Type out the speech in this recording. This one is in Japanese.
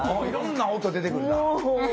いろんな音出てくるな。